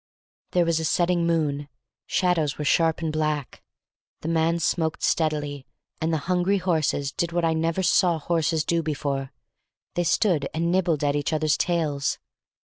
There was a setting moon. Shadows were sharp and black. The man smoked steadily, and the hungry horses did what I never saw horses do before; they stood and nibbled at each other's tails.